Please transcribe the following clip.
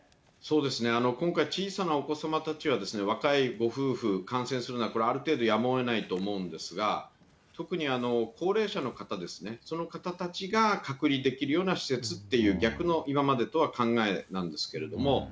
そうですね、今回、小さなお子様たちは若いご夫婦、感染するのはこれ、ある程度やむをえないと思うんですが、特に、高齢者の方ですね、その方たちが隔離できるような施設っていう、逆の、今までとは違う考えなんですけれども。